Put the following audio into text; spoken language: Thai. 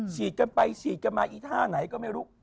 ฉีดกันไปฉีดกันมาอีท่าไหนก็ไม่รู้